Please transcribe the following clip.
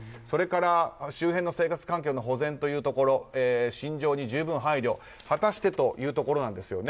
それから、周辺の生活環境の保全というところ新庄に十分配慮果たしてというところなんです。